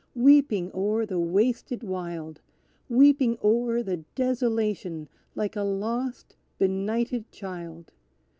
weeping o'er the wasted wild; Weeping o'er the desolation, like a lost, benighted child!